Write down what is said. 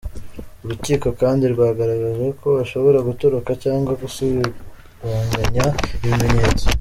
Urukiko kandi rwagaragaje ko bashobora gutoroka cyangwa gusibanganya ibimenyetso.